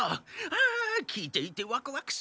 ああ聞いていてワクワクするのう。